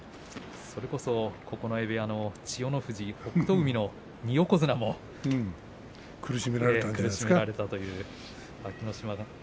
九重部屋の千代の富士北勝海、２横綱も苦しめられたということですね。